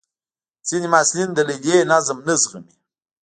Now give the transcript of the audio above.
ځینې محصلین د لیلیې نظم نه زغمي.